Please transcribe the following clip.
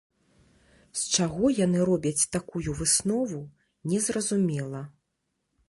З чаго яны робяць такую выснову, незразумела.